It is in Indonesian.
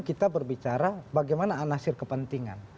kita berbicara bagaimana anasir kepentingan